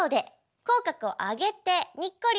口角を上げてにっこり